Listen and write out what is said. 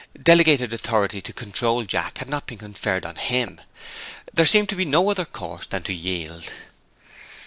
Delegated authority to control Jack had not been conferred on him. There seemed to be no other course than to yield.